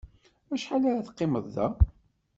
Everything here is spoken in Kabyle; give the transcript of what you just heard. Acḥal ara teqqimeḍ da?